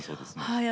はい。